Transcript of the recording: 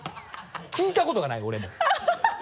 聞いたことがない俺も。